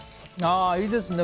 ああ、いいですね